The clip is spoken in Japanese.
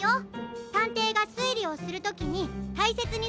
たんていがすいりをするときにたいせつにするべきことは？